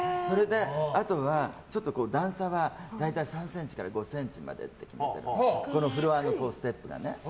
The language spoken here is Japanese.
あとは、段差は３ｃｍから５ｃｍまでって決めてるのフロアのステップがね。